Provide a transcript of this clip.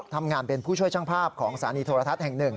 ทำงานเป็นผู้ช่วยช่างภาพของสถานีโทรทัศน์แห่ง๑